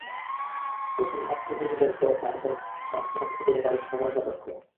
প্রথমে পাত্রী খুঁজে বের করে তারপর বাসা খুঁজে বের করা বেশ সময়সাপেক্ষ।